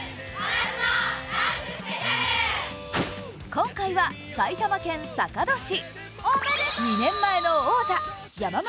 今回は埼玉県坂戸市。